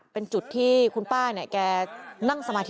เป็นจุดที่คุณป้าเนี่ยแกนั่งสมาธิ